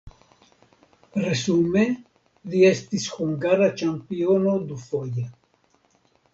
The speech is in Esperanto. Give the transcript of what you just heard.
Resume li estis hungara ĉampiono dufoje.